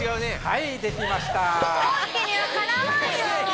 はいできました。